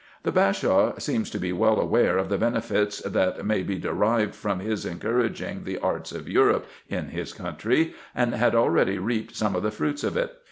The Bashaw seems to be well aware of the benefits that may be derived from his encouraging the arts of Europe m his country, and had already reaped some of the fruits of it.